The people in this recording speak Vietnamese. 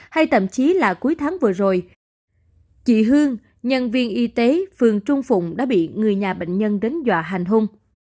hay thậm chí là cuối tháng vừa rồi chị hương nhân viên y tế phường trung phụng đã bị người nhà bệnh nhân đến dọa hành hung